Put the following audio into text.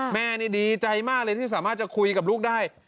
แม่นี่ดีใจมากเลยที่สามารถจะคุยกับลูกได้